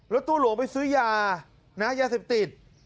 ตัวหลวงไปซื้อยานะยาเสพติด